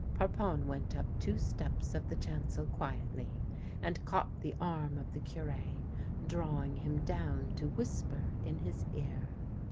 Parpon went up two steps of the chancel quietly and caught the arm of the Cure, drawing him down to whisper in his ear.